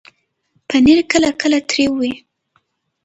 پنېر کله کله تریو وي.